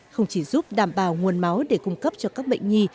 không chỉ giúp đảm bảo nguồn máu để cung cấp cho các bệnh nhi